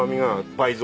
倍増？